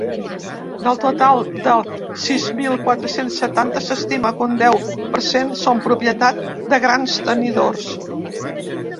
Del total de sis mil quatre-cents setanta s’estima que un deu per cent són propietat de grans tenidors.